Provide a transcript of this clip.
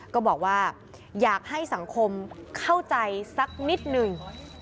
ก็บอกว่าอยากให้สังคมเข้าใจสักนิดหนึ่ง